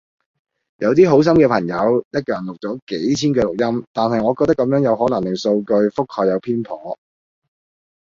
有啲好有心嘅朋友，一個人錄咗幾千句錄音，但係我覺得咁樣有可能令數據覆蓋有偏頗